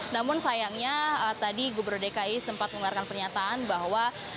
namun sayangnya tadi gubernur dki sempat mengeluarkan pernyataan bahwa